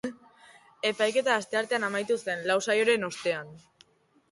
Epaiketa asteartean amaitu zen, lau saioren ostean.